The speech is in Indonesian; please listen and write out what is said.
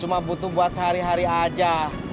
cuma butuh buat sehari hari aja